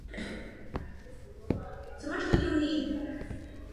Váš Rozpočtový výbor tyto návrhy velkou většinou přijal.